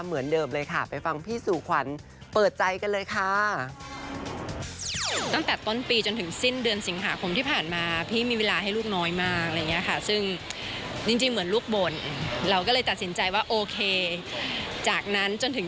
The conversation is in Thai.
เหมือนเดิมเลยค่ะไปฟังพี่สู่ขวัญเปิดใจกันเลยค่ะ